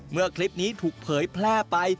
เมื่อคลิปนี้ถูกเผยแพร่ไป